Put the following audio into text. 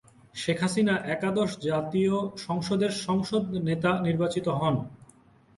শেখ হাসিনা একাদশ জাতীয় সংসদের সংসদ নেতা নির্বাচিত হন।